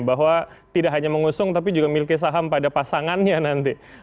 bahwa tidak hanya mengusung tapi juga miliki saham pada pasangannya nanti